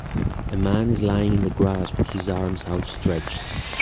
A man is lying in the grass with his arms outstretched.